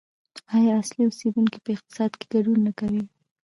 آیا اصلي اوسیدونکي په اقتصاد کې ګډون نه کوي؟